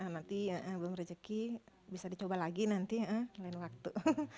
nanti belum rezeki bisa dicoba lagi nanti lain waktu